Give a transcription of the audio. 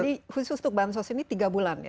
jadi khusus untuk bansos ini tiga bulan ya